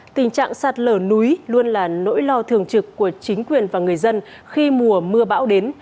tình trạng sạt lở núi luôn là nỗi lo thường trực của chính quyền và người dân khi mùa mưa bão đến